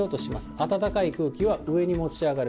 暖かい空気は上に持ち上がる。